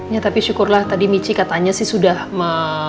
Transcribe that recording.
ya tapi syukurlah tadi michi katanya sih sudah